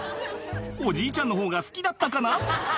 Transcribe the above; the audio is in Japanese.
おじいちゃんの方が好きだったかな？